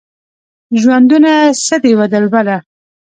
ژوندونه څه دی وه دلبره؟